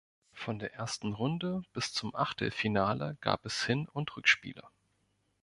Von der ersten Runde bis zum Achtelfinale gab es Hin- und Rückspiele.